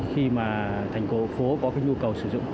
khi mà thành phố phố có cái nhu cầu sử dụng